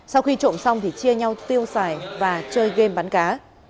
sau khi trộm xong thì chia nhau tiêu xài và chơi game bắn cá